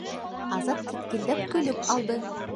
- Азат кеткелдәп көлөп алды.